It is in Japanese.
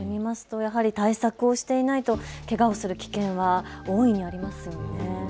やはり対策をしていないとけがをする危険は大いにありますよね。